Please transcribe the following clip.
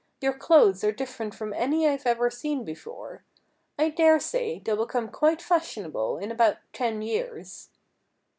Your clothes are different from any I've ever seen before. I dare say they'll become quite fashionable in about ten years."